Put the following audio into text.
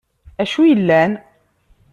Acu yellan?